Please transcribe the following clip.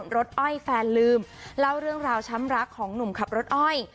รถอ้อยแฟนลืมเล่าเรื่องราวช้ำรักของหนุ่มขับรถอ้อย